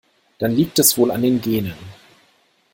Dann liegt es wohl an den Genen.